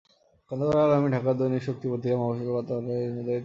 খন্দকার আল-আমিন ঢাকার দৈনিক শক্তি পত্রিকার মফস্বল বার্তা সম্পাদকের দায়িত্ব পালন করেন।